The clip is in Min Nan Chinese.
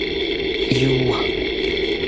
有孝